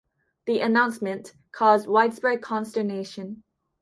The announcement caused widespread consternation.